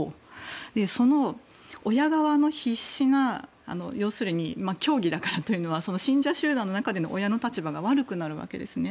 その親側の必死な要するに教義だからというのは信者集団の中での親の立場が悪くなるわけですね。